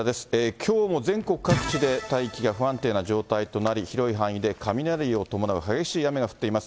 きょうも全国各地で大気が不安定な状態となり、広い範囲で雷を伴う激しい雨が降っています。